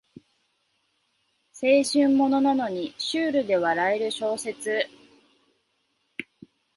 青春ものなのにシュールで笑える小説